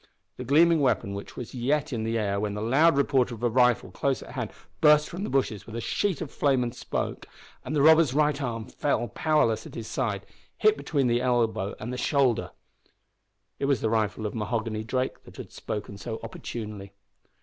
The gleaming weapon was yet in the air when the loud report of a rifle close at hand burst from the bushes with a sheet of flame and smoke, and the robber's right arm fell powerless at his side, hit between the elbow and shoulder. It was the rifle of Mahoghany Drake that had spoken so opportunely.